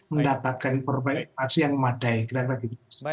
mendapatkan informasi yang memadai